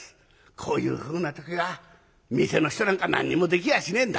「こういうふうな時は店の人なんか何にもできやしねえんだ。